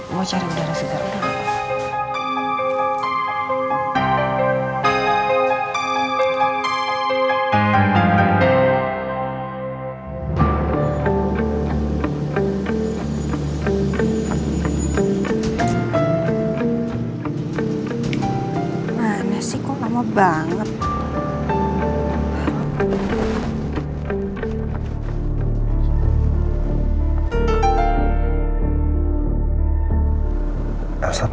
mau cari udara segera